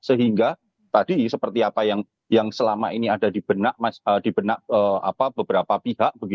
sehingga tadi seperti apa yang selama ini ada di benak beberapa pihak